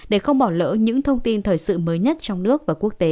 để không bỏ lỡ những thông tin thời sự mới nhất trong nước và quốc tế